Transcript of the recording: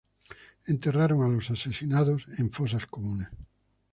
Enterraron a los asesinados en fosas comunes.